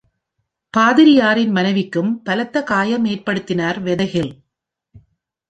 பாதிரியாரின் மனைவிக்கும் பலத்த காயமேற்படுத்தினார் Weatherhill.